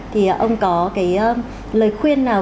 thì ông có cái lời khuyên nào